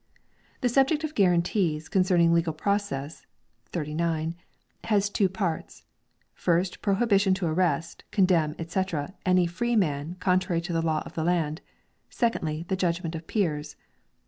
The subject of guarantees concerning legal process (39) has two parts, first prohibition to arrest, con demn, etc., any "free man " l contrary to the law of the land, secondly the judgment of peers.